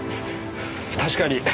確かに。